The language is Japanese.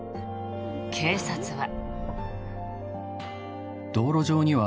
警察は。